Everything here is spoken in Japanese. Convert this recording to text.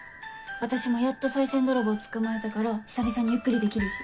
私もやっと賽銭泥棒捕まえたから久々にゆっくりできるし。